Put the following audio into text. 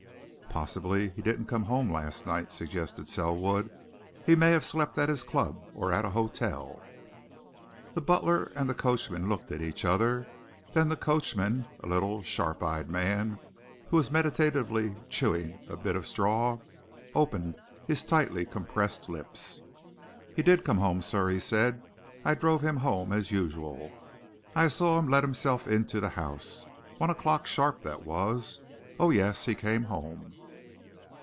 "Possibly he didn't come home last night," suggested Selwood. "He may have slept at his club, or at an hotel." The butler and the coachman looked at each other then the coachman, a little, sharp eyed man who was meditatively chewing a bit of straw, opened his tightly compressed lips. "He did come home, sir," he said. "I drove him home as usual. I saw him let himself into the house. One o'clock sharp, that was. Oh, yes, he came home!"